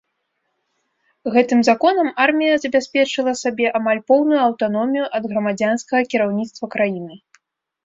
Гэтым законам армія забяспечыла сабе амаль поўную аўтаномію ад грамадзянскага кіраўніцтва краіны.